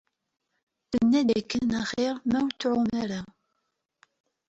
Tenna-d dakken axir ma ur tɛum ara.